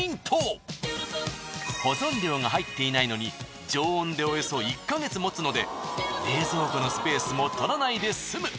保存料が入っていないのに常温でおよそ１ヵ月もつので冷蔵庫のスペースもとらないで済む。